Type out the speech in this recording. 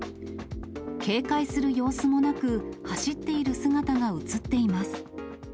警戒する様子もなく、走っている姿が写っています。